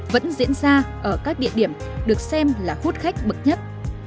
vẫn diễn ra ở các địa điểm được xem là hút khách bậc nhất